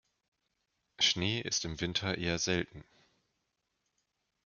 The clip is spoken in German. Schnee ist im Winter eher selten.